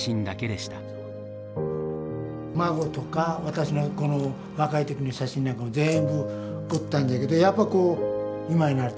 孫とか私の若い時の写真なんかも全部放ったんじゃけどやっぱこう今になると寂しいですよね。